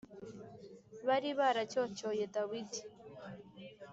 Bari baracyocyoye Dawidi